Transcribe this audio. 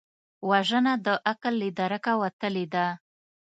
وژنه د عقل له درکه وتلې ده